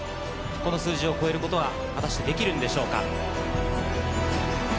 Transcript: この数字を超えることは果たしてできるんでしょうか？